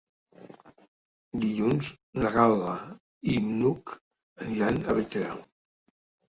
Dilluns na Gal·la i n'Hug aniran a Bétera.